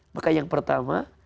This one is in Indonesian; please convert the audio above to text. maka yang pertama